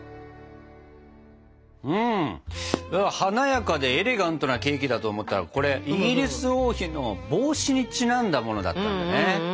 華やかでエレガントなケーキだと思ったらこれイギリス王妃の帽子にちなんだものだったんだね。